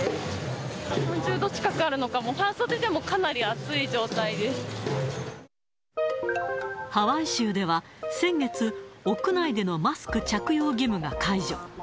３０度近くあるのか、ハワイ州では、先月、屋内でのマスク着用義務が解除。